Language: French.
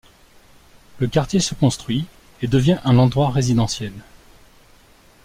Le quartier se construit et devient un endroit résidentiel.